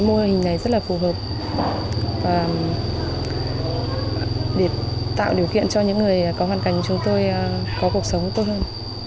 mô hình này rất là phù hợp và để tạo điều kiện cho những người có hoàn cảnh chúng tôi có cuộc sống tốt hơn